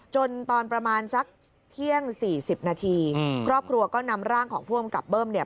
ตอนประมาณสักเที่ยงสี่สิบนาทีครอบครัวก็นำร่างของผู้อำกับเบิ้มเนี่ย